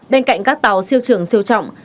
bên cạnh các tàu siêu trường siêu trọng